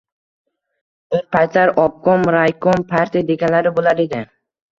Bir paytlar “obkom”, “raykom” partiya deganlari bo‘lar edi